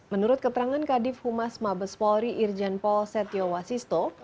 menurut keterangan kadif humas mabes polri irjen pol setio wasisto